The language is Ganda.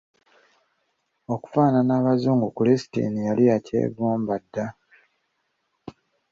Okufaanana ng'abazungu kulisitini yali yakyegomba dda.